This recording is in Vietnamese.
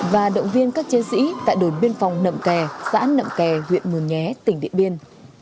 và động viên các chiến sĩ tại đồn biên phòng nậm kè xã nậm kè huyện mường nhé tỉnh điện biên